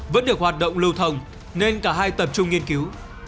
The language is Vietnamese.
vẫn được hoạt động lưu thông nên cả hai tập trung nghiên cứu